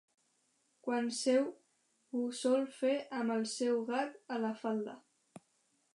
Quan seu, ho sol fer amb el seu gat a la falda.